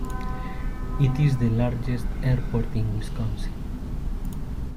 It is the largest airport in Wisconsin.